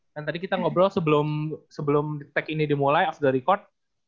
dan tadi kita ngobrol sebelum tag ini dimulai off the record